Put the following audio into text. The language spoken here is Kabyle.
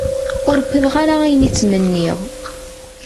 Ur wwiḍeɣ ara ayen i ttmenniɣ.